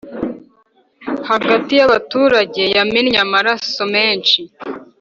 hagati y’abaturage yamennye amaraso menshi